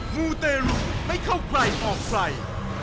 หมู่เตรุไม่เข้าใกล้ออกไฟ